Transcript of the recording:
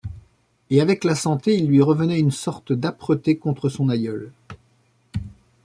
Et avec la santé il lui revenait une sorte d’âpreté contre son aïeul.